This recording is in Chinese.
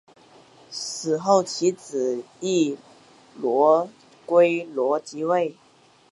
死后其子摩醯逻矩罗即位。